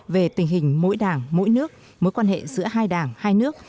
về tình hình mỗi đảng mỗi nước mối quan hệ giữa hai đảng hai nước